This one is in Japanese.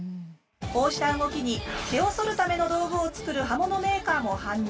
こうした動きに毛をそるための道具を作る刃物メーカーも反応。